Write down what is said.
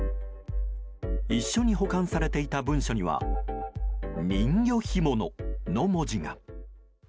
一緒に保管されていた文書には「人魚干物」の文字が。